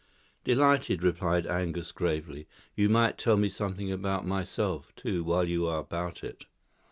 '" "Delighted," replied Angus gravely. "You might tell me something about myself, too, while you are about it."